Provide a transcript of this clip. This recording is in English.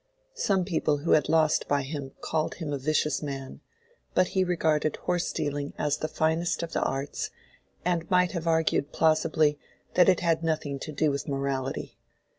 Some people who had lost by him called him a vicious man; but he regarded horse dealing as the finest of the arts, and might have argued plausibly that it had nothing to do with morality.